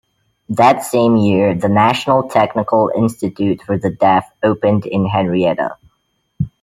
That same year, the National Technical Institute for the Deaf opened in Henrietta.